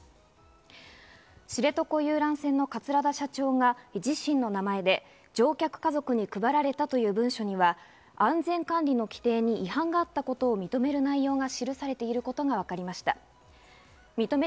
知床遊覧船の桂田社長が自身の名前で乗客家族に配られたという文書には、安全管理の規程に違反があったことを認める内容が記されていることがわかりました。